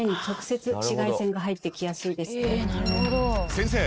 先生！